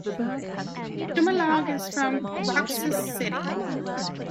Dumalag is from Roxas City.